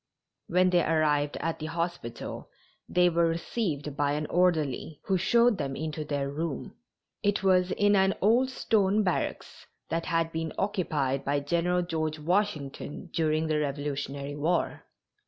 When they arrived at the hospital they were received by an orderly, who showed them to their room. It was in an old stone barracks, that had been occupied by General George Washington during the Revolutionary War.